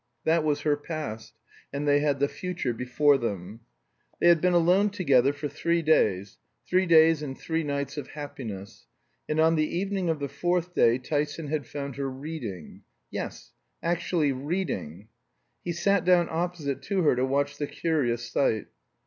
That was her past; and they had the future before them. They had been alone together for three days, three days and three nights of happiness; and on the evening of the fourth day Tyson had found her reading yes, actually reading! He sat down opposite her to watch the curious sight.